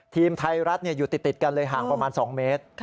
ทีมไทยรัฐอยู่ติดกันเลยห่างประมาณ๒เมตร